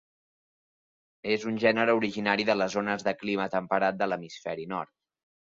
És un gènere originari de les zones de clima temperat de l'hemisferi nord.